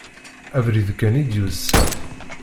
Abrid kan i d-yusa.